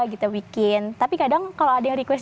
kita bikin tapi kadang kalau ada yang request